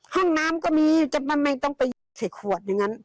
ห้องน้ำก็มีมันไม่ต้องไปเสร็จขวดอย่างนั้น